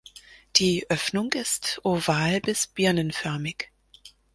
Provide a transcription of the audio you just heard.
Die Öffnung ist oval bis birnenförmig.